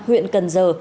huyện cần giờ